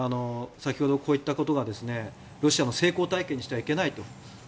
先ほどこういったことがロシアの成功体験にしてはいけないと。